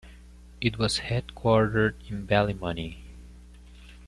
It was headquartered in Ballymoney.